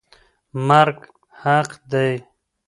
مرګ حق دی.